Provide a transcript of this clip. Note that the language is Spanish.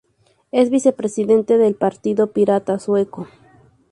Es vicepresidente del Partido Pirata sueco.